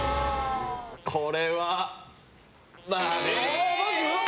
これは、×。